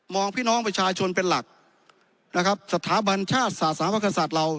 พี่น้องประชาชนเป็นหลักนะครับสถาบันชาติศาสนามกษัตริย์เรา